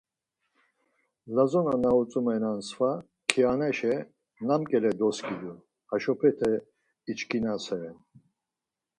Lazona na utzumelnan sva, kianaşi nam ǩele doskidun haşopete içkinaseren.